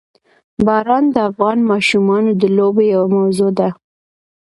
باران د افغان ماشومانو د لوبو یوه موضوع ده.